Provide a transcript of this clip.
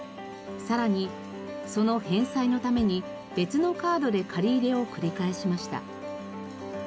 さらにその返済のために別のカードで借り入れを繰り返しました。